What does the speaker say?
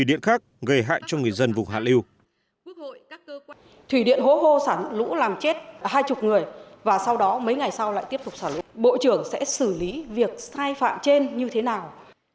bộ trưởng sẽ xử lý việc sai phạm trên như thế nào